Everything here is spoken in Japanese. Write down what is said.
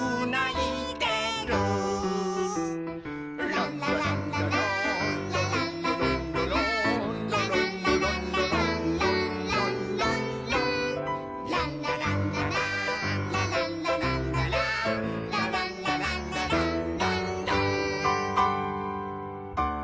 「ランラランラランラランラランラランラ」「ランラランラランランランランラン」「ランラランラランラランラランラランラ」「ランラランラランランラン」